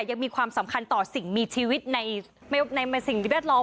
ยังมีความสำคัญต่อสิ่งมีชีวิตในสิ่งแวดล้อม